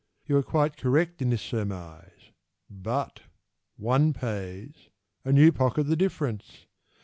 You are quite correct in this surmise. But One pays, And you pocket the difference.